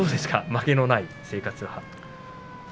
まげのない生活は。